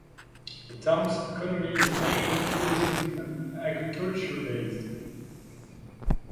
The town's economy is mainly tourism and agriculture-based.